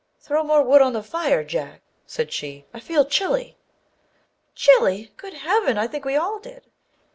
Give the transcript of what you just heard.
" Throw more wood on the fire, Jack," she said, " I feel chilly." Chilly! Good Heaven, I think we all did!